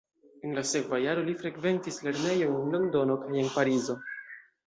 En la sekva jaro li frekventis lernejon en Londono kaj en Parizo.